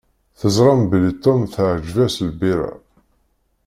Teẓram belli Tom teεǧeb-as lbira.